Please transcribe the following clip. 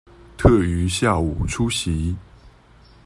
特於下午出席